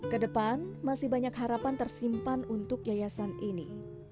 kedepan masih banyak harapan tersimpan untuk yayasan ini